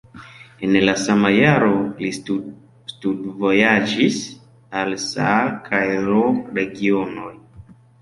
En la sama jaro li studvojaĝis al Saar kaj Ruhr-regionoj.